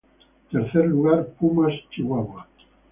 Tercer lugar: Pumas Chihuahua.